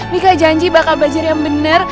mika janji bakal belajar yang benar